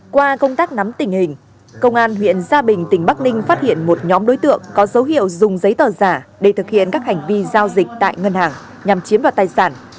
qua công tác nắm tình hình công an huyện gia bình tỉnh bắc ninh phát hiện một nhóm đối tượng có dấu hiệu dùng giấy tờ giả để thực hiện các hành vi giao dịch tại ngân hàng nhằm chiếm đoạt tài sản